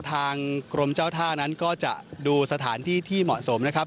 ทางกรมเจ้าท่านั้นก็จะดูสถานที่ที่เหมาะสมนะครับ